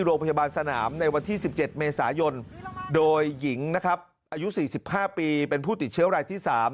โรงพยาบาลสนามในวันที่๑๗เมษายนโดยหญิงนะครับอายุ๔๕ปีเป็นผู้ติดเชื้อรายที่๓